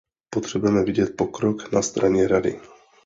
Potřebujeme vidět pokrok na straně Rady.